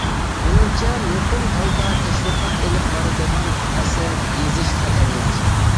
مېنىڭچە، نوقۇل ھالدا تەشۋىقات ئېلىپ بارىدىغان ئەسەر يېزىش خەتەرلىك.